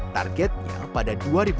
targetnya pada dua ribu dua puluh